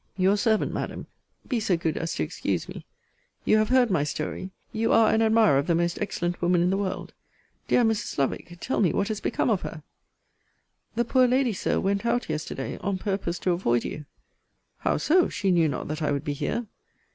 Your servant, Madam. Be so good as to excuse me. You have heard my story. You are an admirer of the most excellent woman in the world. Dear Mrs. Lovick, tell me what is become of her? The poor lady, Sir, went out yesterday, on purpose to avoid you. How so? she knew not that I would be here.